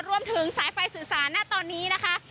รวมถึงสายไฟสื่อสารณตอนนี้นะคะ